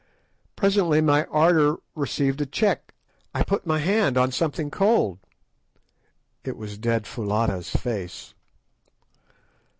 Presently my ardour received a check. I put my hand on something cold. It was dead Foulata's face.